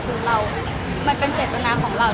คือเรามันเป็นเจตนาของเรา